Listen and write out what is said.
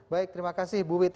baik terima kasih bu with